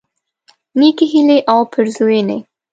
نیکی هیلی او پیرزوینی